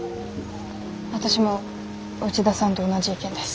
私も内田さんと同じ意見です。